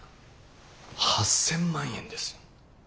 ８，０００万円です。